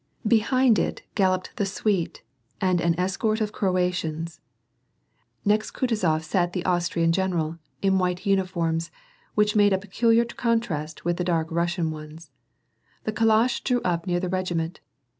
Behind it, galloped the suite and an escort of Kroatians. Next Ku tiizof sat the Austrian general, in a white uniform, which made a peculiar contrast with the dark Kussian ones. The calash drew up near the regiment.